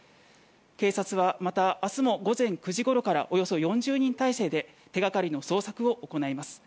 警察はまた明日も午前９時ごろからおよそ４０人態勢で手がかりの捜索を行います。